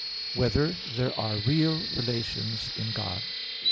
1] Whether There Are Real Relations in God?